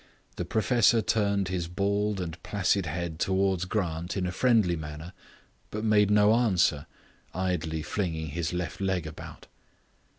The professor turned his bald and placid head towards Grant in a friendly manner, but made no answer, idly flinging his left leg about.